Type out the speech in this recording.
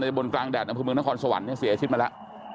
ในบนกลางแดดของเมืองนครสวรรค์เสียชิดมาแล้ว